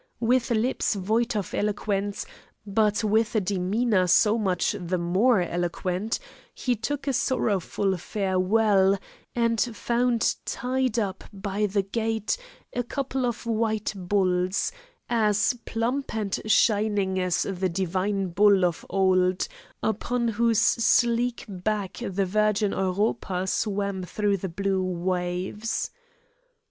With lips void of eloquence, but with a demeanour so much the more eloquent, he took a sorrowful farewell, and found tied up by the gate a couple of white bulls, as plump and shining as the divine bull of old, upon whose sleek back the virgin Europa swam through the blue waves.